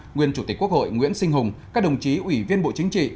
nguyên chủ tịch quốc hội nguyễn sinh hùng các đồng chí ủy viên bộ chính trị